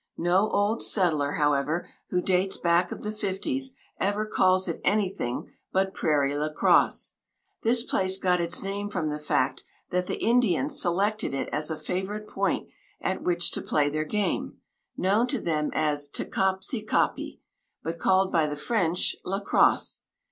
No old settler, however, who dates back of the fifties, ever calls it anything but "Prairie La Crosse." This place got its name from the fact that the Indians selected it as a favorite point at which to play their game, known to them as "Ta kap si ka pi," but called by the French, "La Crosse."